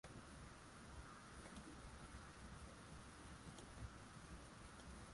ilijipatia utawala juu ya Ufilipino na Puerto Rico